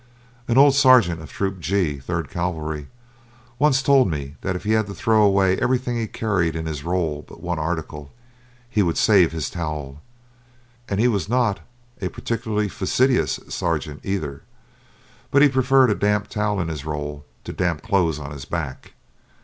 An old sergeant of Troop G, Third Cavalry, once told me that if he had to throw away everything he carried in his roll but one article, he would save his towel. And he was not a particularly fastidious sergeant either, but he preferred a damp towel in his roll to damp clothes on his back.